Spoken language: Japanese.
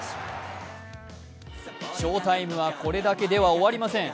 翔タイムはこれだけでは終わりません。